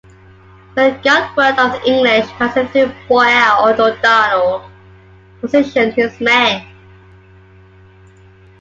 When he got word of the English passing through Boyle, O'Donnell positioned his men.